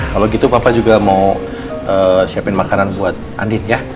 kalau gitu papa juga mau siapin makanan buat andin ya